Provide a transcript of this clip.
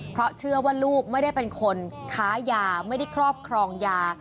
เพราะเชื่อว่าลูกไม่ได้เป็นคนค้ายาไม่ได้ครอบครองยา